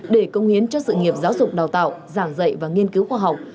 để công hiến cho sự nghiệp giáo dục đào tạo giảng dạy và nghiên cứu khoa học